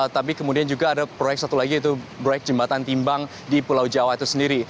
tapi kemudian juga ada proyek satu lagi yaitu proyek jembatan timbang di pulau jawa itu sendiri